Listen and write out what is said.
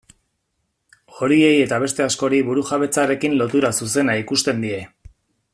Horiei eta beste askori burujabetzarekin lotura zuzena ikusten die.